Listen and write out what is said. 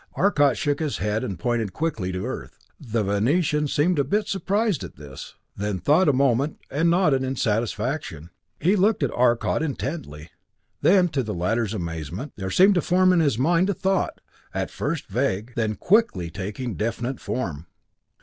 Arcot shook his head and pointed quickly to Earth. The Venetian seemed a bit surprised at this, then thought a moment and nodded in satisfaction. He looked at Arcot intently. Then to the latter's amazement, there seemed to form in his mind a thought at first vague, then quickly taking definite form.